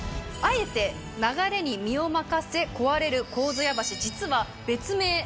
あえて流れに身を任せ壊れる上津屋橋実は。